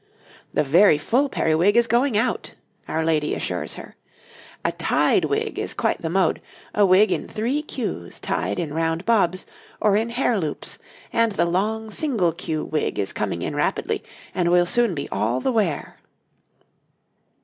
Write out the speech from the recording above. }] 'The very full periwig is going out,' our lady assures her; 'a tied wig is quite the mode, a wig in three queues tied in round bobs, or in hair loops, and the long single queue wig is coming in rapidly, and will soon be all the wear.'